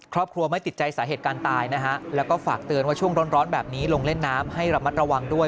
ครอบครัวไม่ติดใจสาเหตุการณ์ตายนะฮะแล้วก็ฝากเตือนว่าช่วงร้อนแบบนี้ลงเล่นน้ำให้ระมัดระวังด้วย